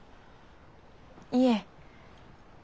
いえ。